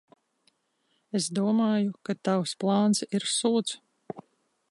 Es domāju, ka tavs plāns ir sūds.